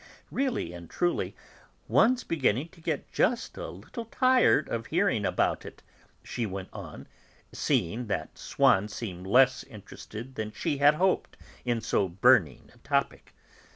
Really and truly, one's beginning to get just a little tired of hearing about it," she went on, seeing that Swann seemed less interested than she had hoped in so burning a topic.